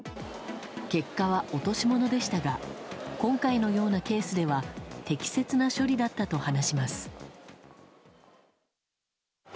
結果は落とし物でしたが今回のようなケースでは適切な処理だったと話します。